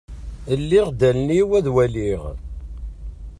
Ldiɣ allen-iw ad waliɣ.